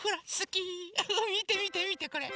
みてみてみてこれ。